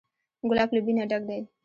ګلاب له بوی نه ډک دی.